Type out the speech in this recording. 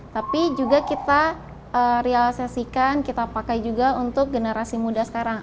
tapi juga kita realisasikan kita pakai juga untuk generasi muda sekarang